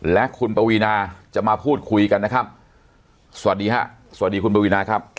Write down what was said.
และคุณปวีนาจะมาพูดคุยกันนะครับสวัสดีฮะสวัสดีคุณปวีนาครับ